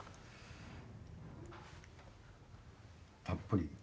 たっぷり。